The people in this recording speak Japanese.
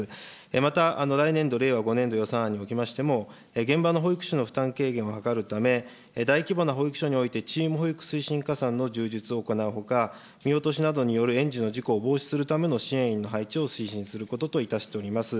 また、来年度・令和５年度予算案におきましても、現場の保育士の負担軽減を図るため、大規模な保育所においてチーム保育推進加算の充実を行うほか、見落としなどによる園児の事故を防止するための支援員の配置を推進することといたしております。